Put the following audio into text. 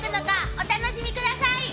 お楽しみください。